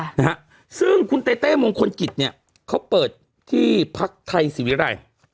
นะฮะซึ่งคุณเต้เต้มงคลกิจเนี้ยเขาเปิดที่พักไทยศิวิรัย